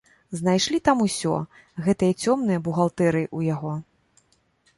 Знайшлі там усё, гэтыя цёмныя бухгалтэрыі ў яго.